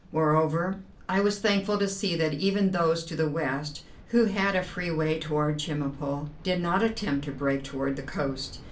Moreover I was thankful to see that even those to the west, who had a free way toward Chemulpo, did not attempt to break toward the coast.